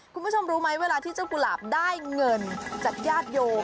คุณผู้ชมรู้ไหมเวลาที่เจ้ากุหลาบได้เงินจากญาติโยม